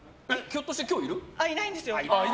いないんですよ。